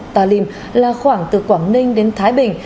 ta lìm là khoảng từ quảng ninh đến thái bình